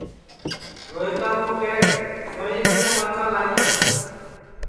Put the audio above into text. روہیتا کُُو کیہ سویں کِیا مرچاں لائیں